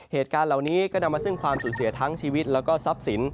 เหตุการณ์เหล่านี้ก็นำมาซึ่งความสูญเสียทั้งชีวิตแล้วก็ทรัพย์สิน